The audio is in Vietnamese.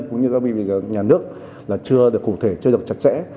cũng như các bệnh viện nhà nước là chưa được cụ thể chưa được chặt chẽ